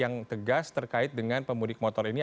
justru ada aturan yang tegas terkait dengan pemudik motor ini